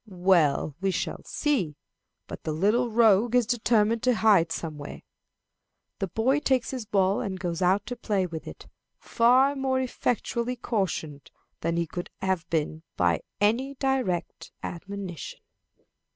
"Well, we shall see; but the little rogue is determined to hide somewhere." The boy takes his ball and goes out to play with it, far more effectually cautioned than he could have been by any direct admonition.